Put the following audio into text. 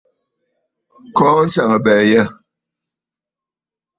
Kɔɔ nsaŋabɛ̀ɛ yâ.